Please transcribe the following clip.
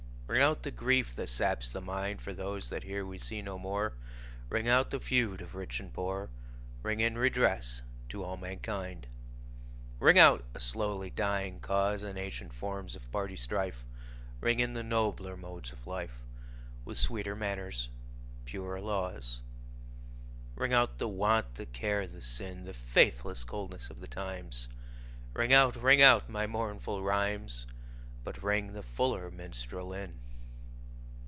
Ring out the grief that saps the mind, For those that here we see no more, Ring out the feud of rich and poor, Ring in redress to all mankind. Ring out a slowly dying cause, And ancient forms of party strife; Ring in the nobler modes of life, With sweeter manners, purer laws. Ring out the want, the care the sin, The faithless coldness of the times; Ring out, ring out my mournful rhymes, But ring the fuller minstrel in.